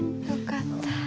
よかった。